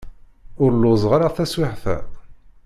Ur lluẓeɣ ara taswiεt-a.